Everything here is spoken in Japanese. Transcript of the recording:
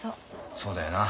そうだよな。